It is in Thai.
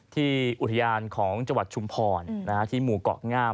ที่อุทยานของจังหวัดชุมพรที่หมู่เกาะงาม